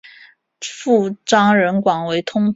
父张仁广为通判。